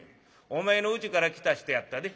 お前のうちから来た人やったで。